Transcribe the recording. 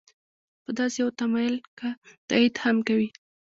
په داسې یو تمایل که تایید هم کوي.